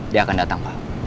dia akan datang pak